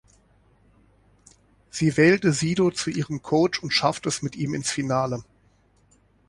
Sie wählte Sido zu ihrem Coach und schaffte es mit ihm ins Finale.